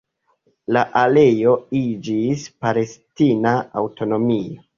La areo iĝis palestina aŭtonomio.